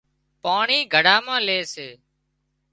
پاڻي گھڙا مان لي سي